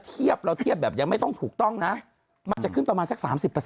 เทียบเราเทียบแบบยังไม่ต้องถูกต้องนะมันจะขึ้นประมาณสัก๓๐